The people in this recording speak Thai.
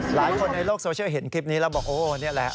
หลายคนในโลกโซเชียลเห็นคลิปนี้แล้วบอกโอ้นี่แหละ